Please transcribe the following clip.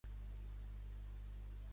És un dels psitàcids més grans.